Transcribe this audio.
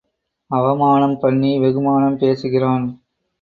அவமானம் பண்ணி வெகுமானம் பேசுகிறான்.